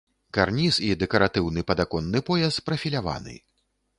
Карніз і дэкаратыўны падаконны пояс прафіляваны.